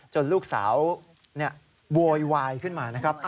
จนลูกสาวเนี่ยโวยวายขึ้นมานะครับ